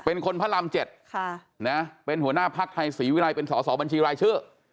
เป็นคนพระราม๗เป็นหัวหน้าภักดิ์ไทยศรีวิรัยเป็นสอสอบัญชีรายชื่อ